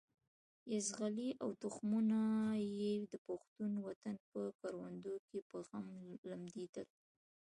بزغلي او تخمونه یې د پښتون وطن په کروندو کې په غم لمدېدل.